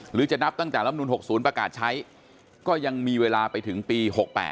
หรือจะนับตั้งแต่ลำนูล๖๐ประกาศใช้ก็ยังมีเวลาไปถึงปี๖๘